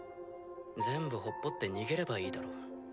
全部ほっぽって逃げればいいだろ。